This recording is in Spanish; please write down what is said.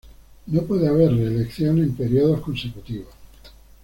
No puede haber reelección en períodos consecutivos.